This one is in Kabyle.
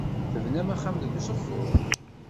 Tebnam axxam deg Uzeffun?